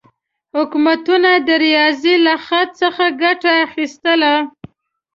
حکومتونه د ریاضي له خط څخه ګټه اخیستله.